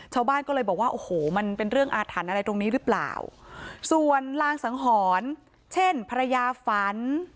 ชาวบ้านก็เลยบอกว่าโอ้โหมันเป็นเรื่องอาถรรพ์อะไรตรงนี้หรือเปล่าส่วนลางสังหรณ์เช่นภรรยาฝัน